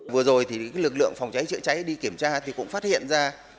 vừa rồi thì lực lượng phòng cháy chữa cháy đi kiểm tra thì cũng phát hiện ra